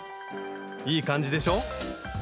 いい感じでしょ？